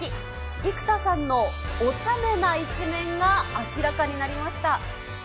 生田さんのおちゃめな一面が明らかになりました。